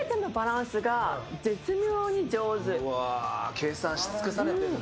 計算し尽くされてるんだ。